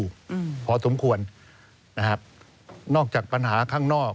อืมพอสมควรนะครับนอกจากปัญหาข้างนอก